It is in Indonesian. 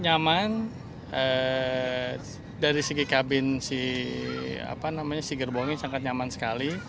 nyaman dari segi kabin si gerbongnya sangat nyaman sekali